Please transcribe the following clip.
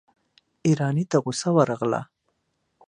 ايراني ته غصه ورغله.